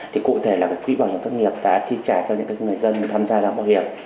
thì cụ thể là quý bảo hiểm thất nghiệp đã chi trả cho những người dân tham gia lão mạo hiểm